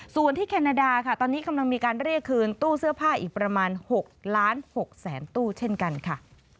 ส่วนที่แคนาดาค่ะตอนนี้กำลังมีการเรียกคืนตู้เสื้อผ้าอีกประมาณ๖ล้าน๖๐๐๐ตู้เช่นกันค่ะ